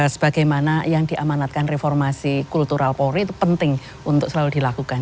sebagaimana yang diamanatkan reformasi kultural polri itu penting untuk selalu dilakukan